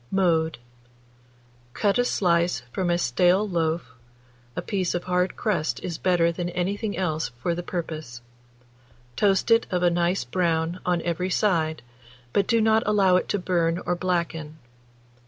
Mode. Cut a slice from a stale loaf (a piece of hard crust is better than anything else for the purpose), toast it of a nice brown on every side, but do not allow it to burn or blacken.